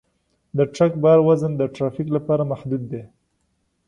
د ټرک بار وزن د ترافیک لپاره محدود دی.